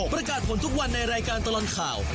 ประกาศผลทุกวันในรายการตลอดข่าว